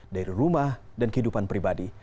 dari rumah dan kehidupan pribadi